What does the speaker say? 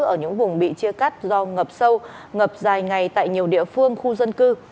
ở những vùng bị chia cắt do ngập sâu ngập dài ngày tại nhiều địa phương khu dân cư